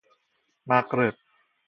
مغرب